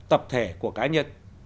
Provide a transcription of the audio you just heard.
tập thể của cá nhân